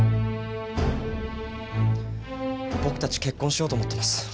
僕たち結婚しようと思ってます。